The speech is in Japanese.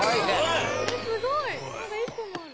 すごいまだ１分もある。